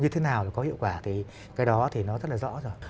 như thế nào có hiệu quả thì cái đó thì nó rất là rõ rồi